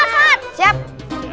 semangat semangat semangat